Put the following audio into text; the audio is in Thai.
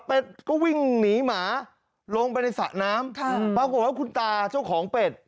เป็นก็วิ่งหนีหมาลงไปในสระน้ำปรากฏว่าคุณตาเจ้าของเป็ด